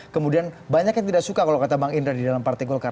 kemudian banyak yang tidak suka kalau kata bang indra di dalam partai golkar